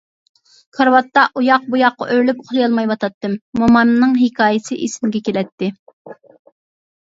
كارىۋاتتا ئۇياق-بۇياققا ئۆرۈلۈپ ئۇخلىيالمايۋاتاتتىم، موماينىڭ ھېكايىسى ئېسىمگە كېلەتتى.